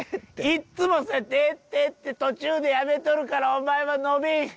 いっつもそうやってええってええって途中でやめとるからお前は伸びん。